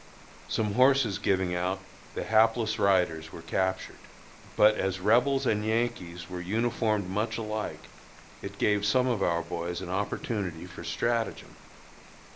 Some horses giving out, the hapless riders were captured. But as Rebels and Yankees were uniformed much alike, it gave some of our boys an opportunity for stratagem.